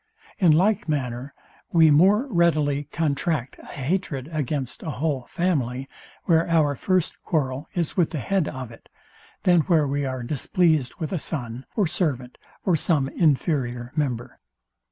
In like manner we more readily contract a hatred against a whole family, where our first quarrel is with the head of it, than where we are displeased with a son, or servant, or some inferior member.